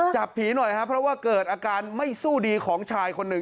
จับผีหน่อยครับเพราะว่าเกิดอาการไม่สู้ดีของชายคนหนึ่ง